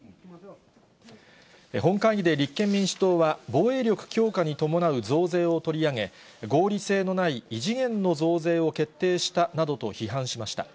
本会議で立憲民主党は、防衛力強化に伴う増税を取り上げ、合理性のない異次元の増税を決定したなどと批判しました。